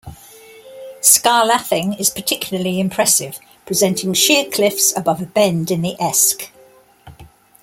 Scar Lathing is particularly impressive, presenting sheer cliffs above a bend in the Esk.